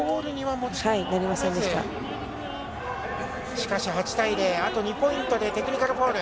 しかし８対０、あと２ポイントでテクニカルフォール。